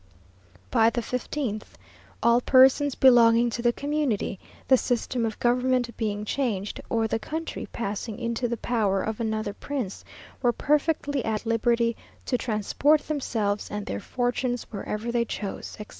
By the fifteenth, all persons belonging to the community, the system of government being changed, or the country passing into the power of another prince, were perfectly at liberty to transport themselves and their fortunes wherever they chose, etc.